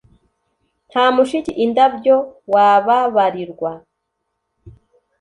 nta mushiki-indabyo wababarirwa